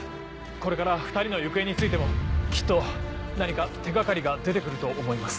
これから２人の行方についてもきっと何か手掛かりが出て来ると思います。